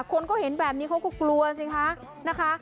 คนก็เห็นแบบนี้เขาก็กลัวสิคะนะคะ